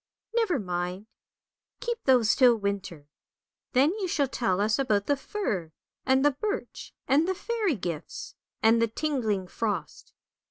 " Never mind, keep those till winter. Then you shall tell us about the fir, and the birch, and the fairy gifts, and the tingling frost.